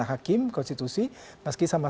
sampai jumpa lagi